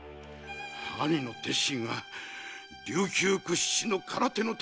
兄の鉄心は琉球屈指の空手の達人。